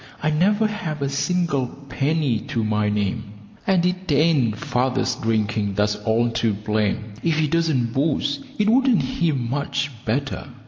I never have a single penny to my name, and it ain't father's drinking that's all to blame; if he didn't booze it wouldn't be much better.